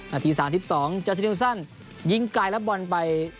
นาที๓๒จัดชีนิวสั้นยิงไกลแล้วบอลไป